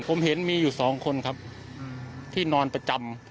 ผมเห็นมีอยู่สองคนครับที่นอนประจำ